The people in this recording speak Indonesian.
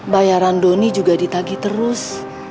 bayaran doni juga ditagi terus